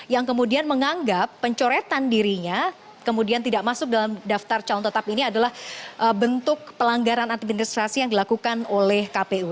yang kemudian menganggap pencoretan dirinya kemudian tidak masuk dalam daftar calon tetap ini adalah bentuk pelanggaran administrasi yang dilakukan oleh kpu